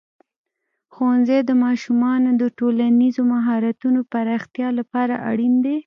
ښوونځی د ماشومانو د ټولنیزو مهارتونو پراختیا لپاره اړین دی.